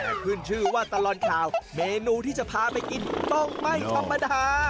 แต่ขึ้นชื่อว่าตลอดข่าวเมนูที่จะพาไปกินต้องไม่ธรรมดา